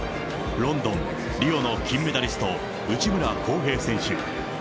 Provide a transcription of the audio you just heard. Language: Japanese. ロンドン、リオの金メダリスト、内村航平選手。